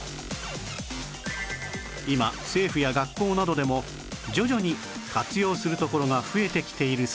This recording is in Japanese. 今政府や学校などでも徐々に活用するところが増えてきているそうです